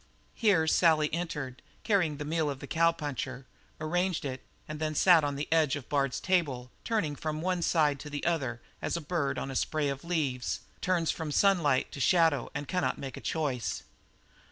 Here Sally entered, carrying the meal of the cowpuncher, arranged it, and then sat on the edge of Bard's table, turning from one to the other as a bird on a spray of leaves turns from sunlight to shadow and cannot make a choice.